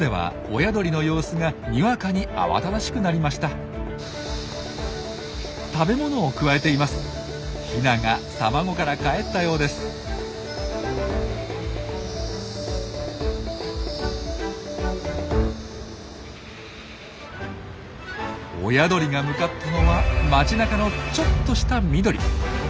親鳥が向かったのは街なかのちょっとした緑。